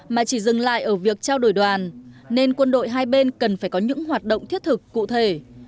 mà chỉ dừng lại ở việc trao đổi đoàn nên quân đội hai bên cần phải có những hoạt động thiết thực cụ thể